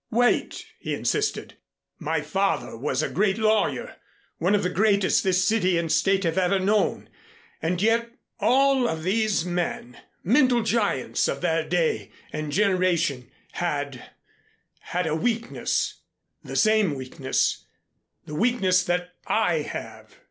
"Wait," he insisted. "My father was a great lawyer one of the greatest this City and State have ever known and yet all of these men, mental giants of their day and generation had had a weakness the same weakness the weakness that I have.